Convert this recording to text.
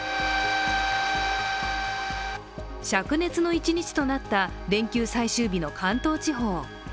しゃく熱の１日となった連休最終日の関東地方。